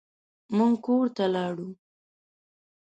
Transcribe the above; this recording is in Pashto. موږ کور ته لاړو.